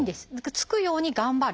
つくように頑張る。